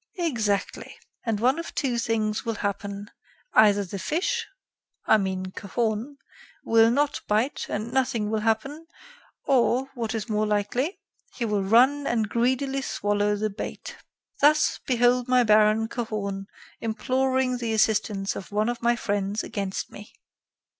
"Exactly; and one of two things will happen: either the fish I mean Cahorn will not bite, and nothing will happen; or, what is more likely, he will run and greedily swallow the bait. Thus, behold my Baron Cahorn imploring the assistance of one of my friends against me."